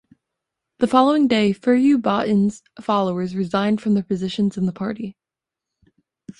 The following day Furubotn's followers resigned from their positions in the party.